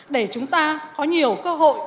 để chúng ta có nhiều cơ hội